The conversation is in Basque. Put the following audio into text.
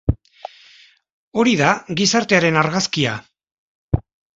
Hori da gizartearen argazkia.